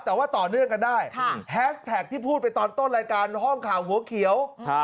แต่ว่าต่อเนื่องกันได้แฮสแท็กที่พูดไปตอนต้นรายการห้องข่าวหัวเขียว